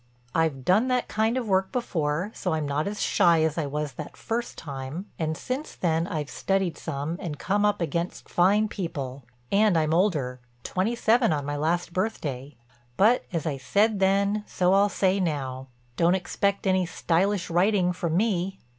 I've done that kind of work before, so I'm not as shy as I was that first time, and since then I've studied some, and come up against fine people, and I'm older—twenty seven on my last birthday. But as I said then, so I'll say now—don't expect any stylish writing from me.